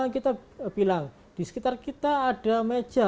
kita bilang di sekitar kita ada meja